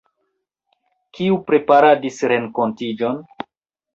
Kiu preparadis renkontiĝon?